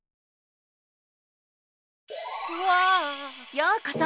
ようこそ。